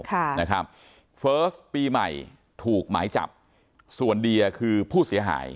ค่ะนะครับเฟิร์สปีใหม่ถูกหมายจับส่วนเดียคือผู้เสียหาย